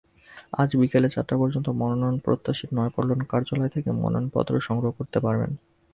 আজ বিকেল চারটা পর্যন্ত মনোনয়নপ্রত্যাশীরা নয়াপল্টন কার্যালয় থেকে মনোনয়নপত্র সংগ্রহ করতে পারবেন।